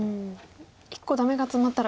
１個ダメがツマったら